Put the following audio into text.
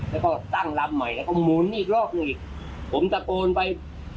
แล้วก็ตั้งลำใหม่แล้วก็หมุนอีกรอบหนึ่งอีกผมตะโกนไป